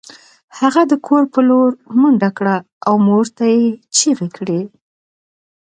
هغه د کور په لور منډه کړه او مور ته یې چیغې کړې